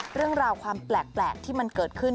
เรื่องราวความแปลกที่มันเกิดขึ้น